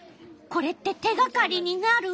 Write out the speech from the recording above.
これって手がかりになる？